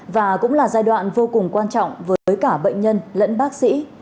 và cũng là giai đoạn vô cùng quan trọng với cả bệnh nhân lẫn bác sĩ